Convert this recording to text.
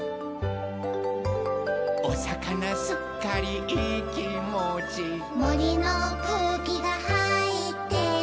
「おさかなすっかりいいきもち」「もりのくうきがはいってる」